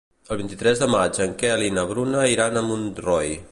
El vint-i-tres de maig en Quel i na Bruna iran a Montroi.